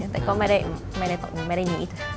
แต่ก็ไม่ได้ตอนนี้ไม่ได้หนี